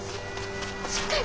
しっかり。